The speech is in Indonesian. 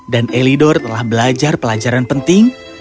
dan elidor telah belajar pelajaran penting